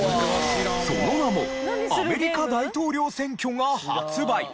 その名も『アメリカ大統領選挙』が発売。